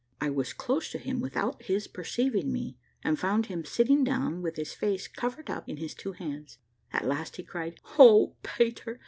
I was close to him without his perceiving me, and found him sitting down with his face covered up in his two hands. At last he cried, "O Pater!